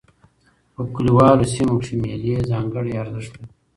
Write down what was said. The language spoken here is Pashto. په کلیوالو سیمو کښي مېلې ځانګړی ارزښت لري.